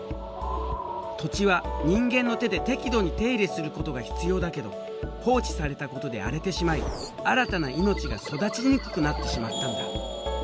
土地は人間の手で適度に手入れすることが必要だけど放置されたことで荒れてしまい新たな命が育ちにくくなってしまったんだ。